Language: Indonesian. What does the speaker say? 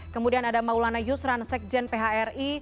kemudian ada maulana yusran sekjen phri